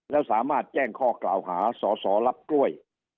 แล้วสามารถแจ้งข้อกล่าวหาสสรับกล้วย